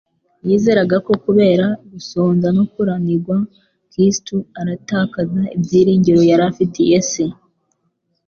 Yizeraga ko kubera gusonza no kuruanirwa Kristo aratakaza ibyiringiro yari afitiye Se,